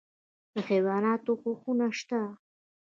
د حیواناتو حقونه شته